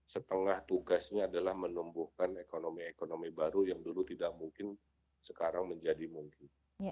setengah tugasnya adalah menumbuhkan ekonomi ekonomi baru yang dulu tidak mungkin sekarang menjadi mungkin